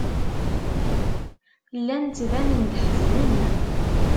Llan ttbanen-d ḥeznen.